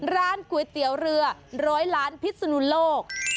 ร้านก๋วยเตี๋ยวเรือร้อยล้านพิศนุโลก